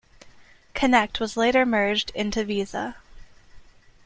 Connect was later merged into Visa.